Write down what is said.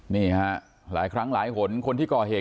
นี่ฮะหลายครั้งหลายหนคนที่ก่อเหตุ